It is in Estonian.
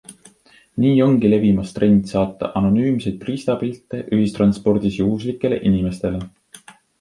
Nii ongi levimas trend saata anonüümseid riistapilte ühistranspordis juhuslikele inimestele.